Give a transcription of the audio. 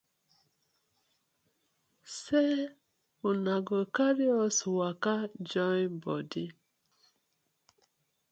Sey una go karry us waka join bodi.